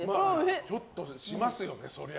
ちょっとしますよね、そりゃ。